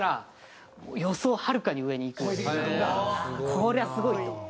こりゃすごいと。